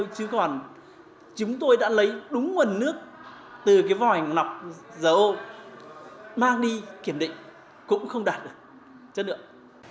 chứ còn chúng tôi đã lấy đúng nguồn nước từ cái vòi lọc dầu mang đi kiểm định cũng không đạt được chất lượng